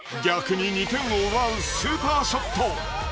逆に２点を奪うスーパーショット！